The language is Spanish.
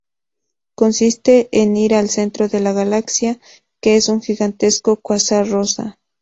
Consiste en ir al centro de la galaxia, que es un gigantesco quasar rosa.